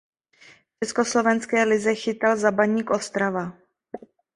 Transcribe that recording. V československé lize chytal za Baník Ostrava.